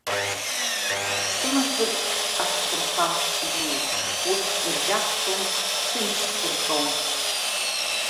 Сынасыԥ ацәқәырԥа ирылоуп, урҭ сдыржьакцом, ҭынч сдыртәом…